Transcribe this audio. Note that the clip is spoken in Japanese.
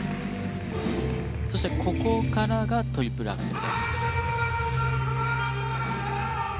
そしてここからがトリプルアクセルです。